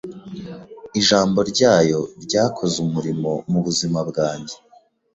Ijambo ryayo ryakoze umurimo mu buzima bwanjye.